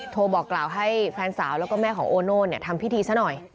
บอกกล่าวให้แฟนสาวแล้วก็แม่ของโอโน่ทำพิธีซะหน่อย